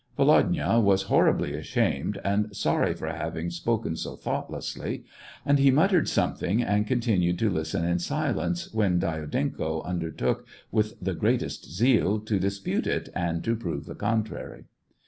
Volodya was horribly, ashamed and sorry for having spoken so thoughtlessly, and he muttered something and continued to listen in silence, when Dyadenko undertook, with the greatest zeal, to dispute it and to prove the contrary.